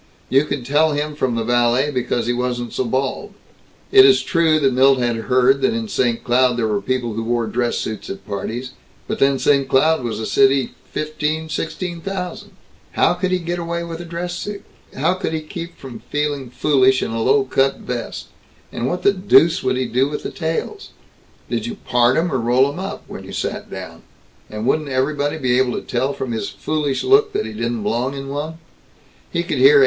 You could tell him from the valet because he wasn't so bald. It is true that Milt had heard that in St. Cloud there were people who wore dress suits at parties, but then St. Cloud was a city, fifteen or sixteen thousand. "How could he get away with a dress suit? How could he keep from feeling foolish in a low cut vest, and what the deuce would he do with the tails? Did you part 'em or roll 'em up, when you sat down? And wouldn't everybody be able to tell from his foolish look that he didn't belong in one?" He could hear A.D.